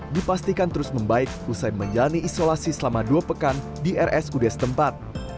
dipastikan terus membaik usai menjalani isolasi selama dua pekan di rs udes tempat